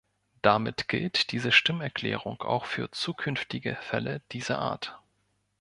Damit gilt diese Stimmerklärung auch für zukünftige Fälle dieser Art.